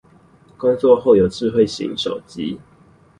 工作後有智慧型手機